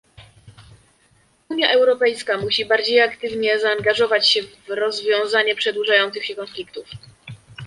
Unia Europejska musi bardziej aktywnie zaangażować się w rozwiązanie przedłużających się konfliktów